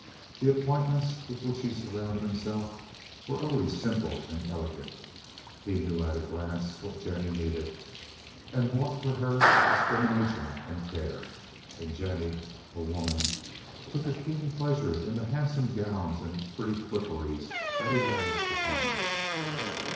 The appointments with which he surrounded himself were always simple and elegant. He knew at a glance what Jennie needed, and bought for her with discrimination and care. And Jennie, a woman, took a keen pleasure in the handsome gowns and pretty fripperies that he lavished upon her.